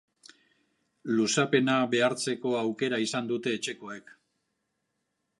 Luzapena behartzeko aukera izan dute etxekoek.